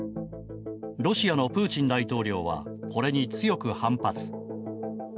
ロシアのプーチン大統領はこれに強く反発。